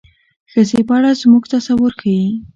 د ښځې په اړه زموږ تصور ښيي.